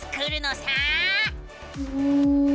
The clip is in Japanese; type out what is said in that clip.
うん。